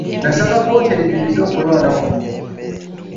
Nasaba kkooti eyimirize okulonda kuno.